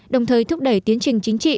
đồng thời thúc đẩy tiến trình chính trị